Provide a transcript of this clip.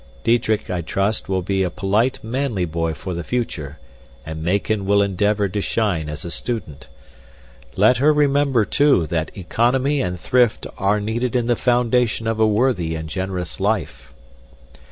Diedrich, I trust, will be a polite, manly boy for the future, and Mayken will endeavor to shine as a student. Let her remember, too, that economy and thrift are needed in the foundation of a worthy and generous life.